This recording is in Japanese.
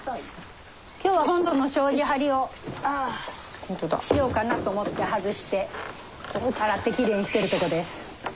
今日は本堂の障子張りをしようかなと思って外して洗ってきれいにしてるとこです。